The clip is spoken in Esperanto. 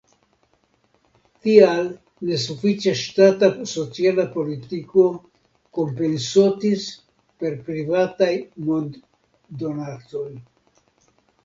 Tial nesufiĉa ŝtata sociala politiko kompensotis per privataj monddonacoj.